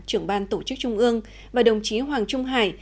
trưởng ban tổ chức trung ương và đồng chí hoàng trung hải